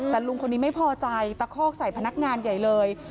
แต่ลุงคนนี้ไม่พอใจตะคอกใส่พนักงานใหญ่เลย